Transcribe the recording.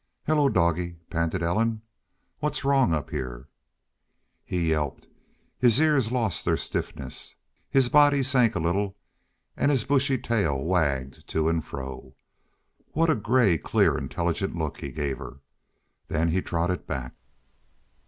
"Hello doggie!" panted Ellen. "What's wrong up heah?" He yelped, his ears lost their stiffness, his body sank a little, and his bushy tail wagged to and fro. What a gray, clear, intelligent look he gave her! Then he trotted back.